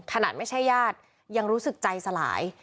ขนาดไม่ใช่ญาติยังรู้สึกใจสลาย